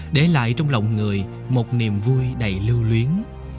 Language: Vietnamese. để lại trong lòng người một niềm vui đầy lưu luyến